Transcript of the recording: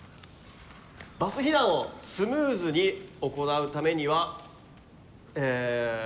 バス避難をスムーズに行うためにはえ